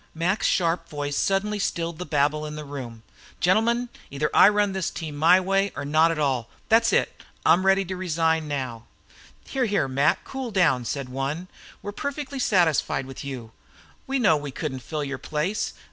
Mac's sharp voice suddenly stilled the babel in the room. "Gentlemen, either I run this team my own way, or not at all. That's it. I'm ready to resign now." "Here, here, Mac, cool down!" said one. "We're perfectly satisfied with you. We know we couldn't fill your place.